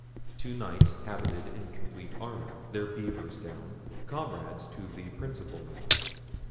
Two Knights habited in complete armour, their beavers down, comrades to the principal Knight.